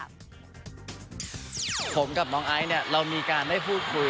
ซึ่งเจ้าตัวก็ยอมรับว่าเออก็คงจะเลี่ยงไม่ได้หรอกที่จะถูกมองว่าจับปลาสองมือ